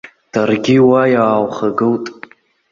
Даргьы уа иаалхагылт.